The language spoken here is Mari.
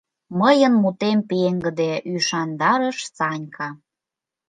— Мыйын мутем пеҥгыде, — ӱшандарыш Санька.